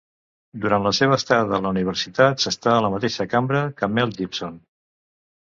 Durant la seva estada a la universitat, s'està a la mateixa cambra que Mel Gibson.